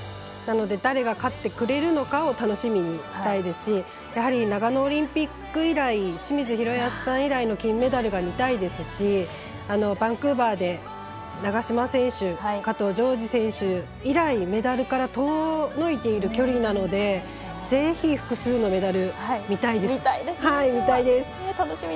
なので、誰が勝ってくれるのかを楽しみにしたいですしやはり長野オリンピック以来清水宏保さん以来の金メダルが見たいですしバンクーバーで長島選手、加藤条治選手以来メダルから遠のいている競技なのでぜひ、複数のメダル見たいです。